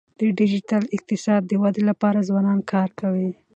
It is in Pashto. د ډیجیټل اقتصاد د ودي لپاره ځوانان کار کوي.